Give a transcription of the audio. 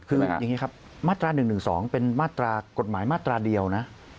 คืออย่างนี้ครับมาตรา๑๑๒เป็นมาตรากฎหมายมาตราเดียวนะ